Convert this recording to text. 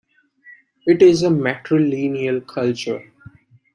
It is a matrilineal culture.